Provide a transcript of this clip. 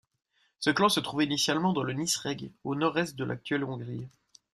Ce clan se trouvait initialement dans le Nyírség au nord est de l'actuelle Hongrie.